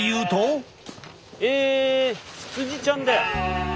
ええ羊ちゃんだ。